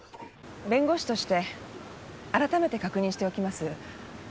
弁護士として改めて確認しておきます。